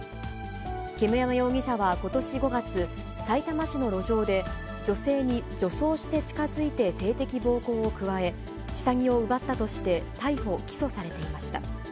煙山容疑者はことし５月、さいたま市の路上で女性に女装して近づいて性的暴行を加え、下着を奪ったとして逮捕・起訴されていました。